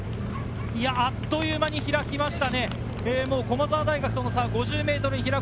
あっという間に開きました。